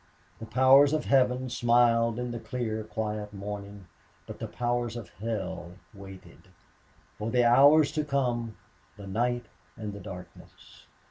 The powers of heaven smiled in the clear, quiet morning, but the powers of hell waited for the hours to come, the night and the darkness.